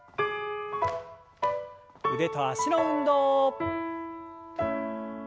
腕と脚の運動。